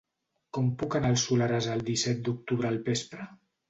Com puc anar al Soleràs el disset d'octubre al vespre?